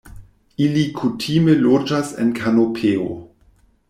Ili kutime loĝas en kanopeo.